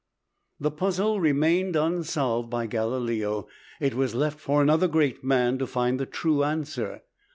The puzzle remained unsolved by Galileo; it was left for another great man to find the true answer.